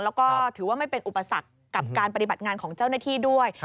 แล้วก็ถือว่าไม่เป็นอุปสรรคกับการปฏิบัติงานของเจ้าหน้าที่ด้วย